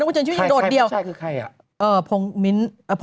ต้องกดชีวิตอย่างโดดเดียวใช่คือใครอ่ะเอ่อพงมิ้นเอ่อ